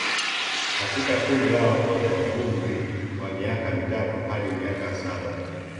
Katika kundi la watoto wa umri wa miaka mitatu hadi miaka saba